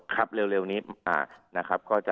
ครับเร็วนี้นะครับ